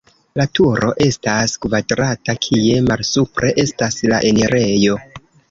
La turo estas kvadrata, kie malsupre estas la enirejo.